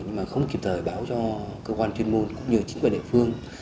nhưng mà không kịp thời báo cho cơ quan chuyên môn cũng như chính quyền địa phương